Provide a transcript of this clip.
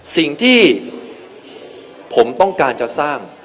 สิ่งที่ผมต้องการจะสร้าง